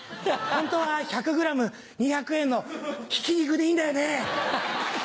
本当は１００ｇ２００円のひき肉でいいんだよね？